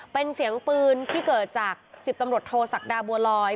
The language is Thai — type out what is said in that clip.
เป็นเสียงปืนที่เกิดจาก๑๐ตำรวจโทษศักดาบัวลอย